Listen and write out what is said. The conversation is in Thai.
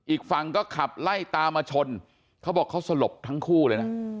อีกฝั่งก็ขับไล่ตามมาชนเขาบอกเขาสลบทั้งคู่เลยนะ